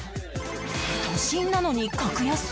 都心なのに格安？